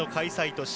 都市